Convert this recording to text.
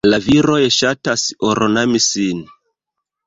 La viroj ŝatas ornami sin.